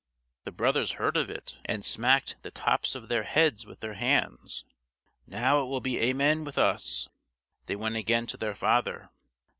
The brothers heard of it, and smacked the tops of their heads with their hands. "Now it will be amen with us!" They went again to their father.